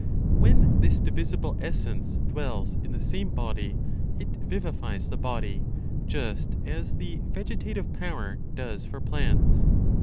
When this divisible essence dwells in the same body, it vivifies the body, just as the vegetative power does for plants.